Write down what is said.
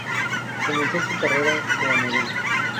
Comenzó su carrera como modelo.